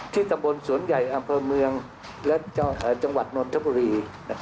ตำบลสวนใหญ่อำเภอเมืองและจังหวัดนนทบุรี